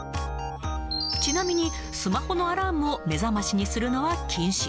ちなみに、スマホのアラームを目覚ましにするのは禁止。